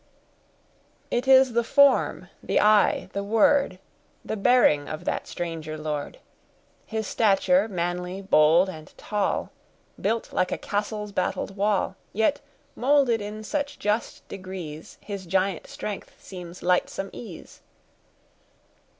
"It is the form, the eye, the word, The bearing of that stranger lord, His stature, manly, bold, and tall, Built like a castle's battled wall, Yet molded in such just degrees His giant strength seems lightsome ease.